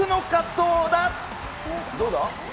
どうだ？